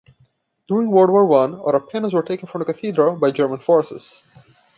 During World War One, other panels were taken from the cathedral by German forces.